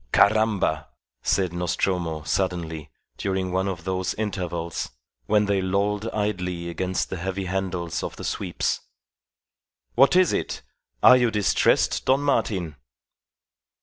"Caramba!" said Nostromo, suddenly, during one of those intervals when they lolled idly against the heavy handles of the sweeps. "What is it? Are you distressed, Don Martin?"